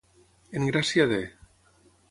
En gràcia de.